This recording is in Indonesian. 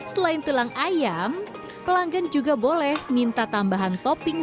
selain tulang ayam pelanggan juga boleh minta tambahan topping